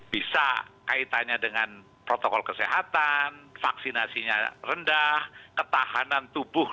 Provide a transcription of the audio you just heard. bisa kaitannya dengan protokol kesehatan vaksinasinya rendah ketahanan tubuh